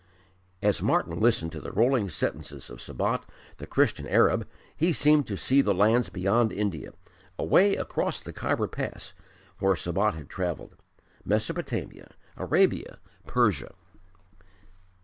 As Martyn listened to the rolling sentences of Sabat, the Christian Arab, he seemed to see the lands beyond India, away across the Khyber Pass, where Sabat had travelled Mesopotamia, Arabia, Persia.